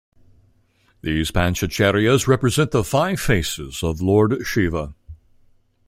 These Panchacharyas represent the five faces of Lord Shiva.